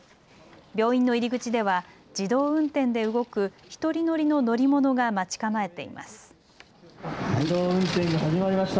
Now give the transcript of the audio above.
病院の入り口では自動運転で動く１人乗りの乗り物が待ち構えています。